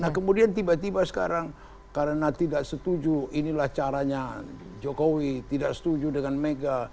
nah kemudian tiba tiba sekarang karena tidak setuju inilah caranya jokowi tidak setuju dengan mega